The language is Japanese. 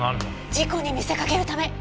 事故に見せかけるため。